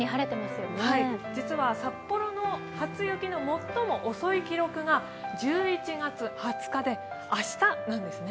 実は札幌の初雪の最も遅い記録が１１月２０日で明日なんですね。